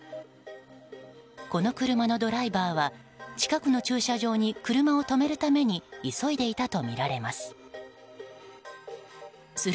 この車のドライバーは近くの駐車場に車を止めるために急いでいたとみられます。